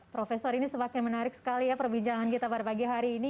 profesor ini semakin menarik sekali ya perbincangan kita pada pagi hari ini